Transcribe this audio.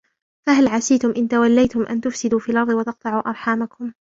فهل عسيتم إن توليتم أن تفسدوا في الأرض وتقطعوا أرحامكم